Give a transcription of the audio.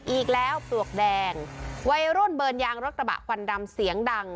อีกแล้วปลวกแดงวัยรุ่นเบิร์นยางรถกระบะควันดำเสียงดัง